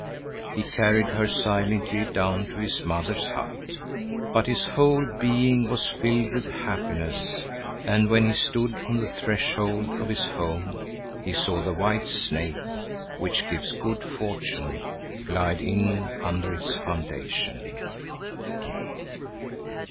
He carried her silently down to his mother's hut. But his whole being was filled with happiness, and when he stood on the threshold of his home, he saw the white snake, which gives good fortune, glide in under its foundation.